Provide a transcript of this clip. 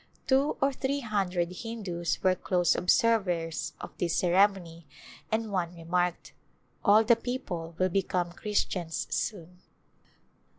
Two or three hundred Hindus were close observers of this ceremony and one remarked, " All the people will become Christians soon